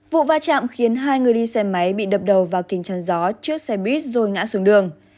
vụ va chạm khiến hai người đi xe máy bị đập đầu vào kính chăn gió trước xe buýt rồi ngã xuống đường